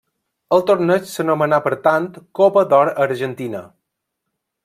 El torneig s'anomenà per tant, Copa d'Or Argentina.